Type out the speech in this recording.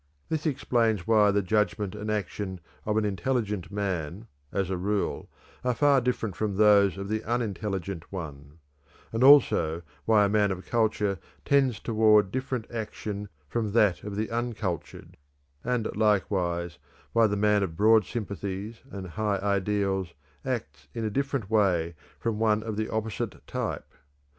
This explains why the judgment and action of an intelligent man, as a rule, are far different from those of the unintelligent one; and also why a man of culture tends toward different action from that of the uncultured; and likewise, why the man of broad sympathies and high ideals acts in a different way from one of the opposite type.